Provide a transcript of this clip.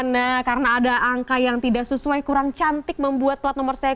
nah karena ada angka yang tidak sesuai kurang cantik membuat plat nomor saya